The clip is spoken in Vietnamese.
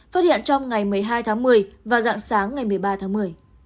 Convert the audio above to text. phát hiện trong ngày một mươi hai tháng một mươi và dạng sáng ngày một mươi ba tháng một mươi